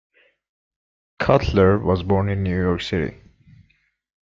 Cutler was born in New York City.